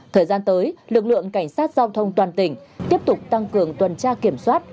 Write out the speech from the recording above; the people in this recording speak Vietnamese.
thời gian tới lực lượng cảnh sát giao thông toàn tỉnh tiếp tục tăng cường tuần tra kiểm soát